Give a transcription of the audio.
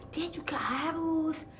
dia juga harus